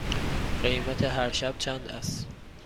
قیمت هر شب چند است؟